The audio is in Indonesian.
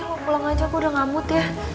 udah lo pulang aja aku udah ngamut ya